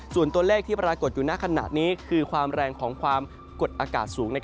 ส่วนตัวเลขที่ปรากฏอยู่ในขณะนี้คือความแรงของความกดอากาศสูง